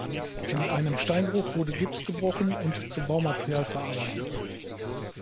In einem Steinbruch wurde Gips gebrochen und zu Baumaterial verarbeitet.